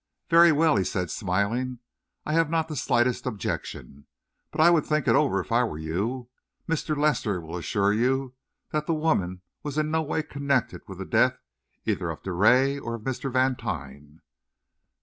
"Very well," he said, smiling. "I have not the slightest objection. But I would think it over, if I were you. Mr. Lester will assure you that the woman was in no way connected with the death either of Drouet or of Mr. Vantine."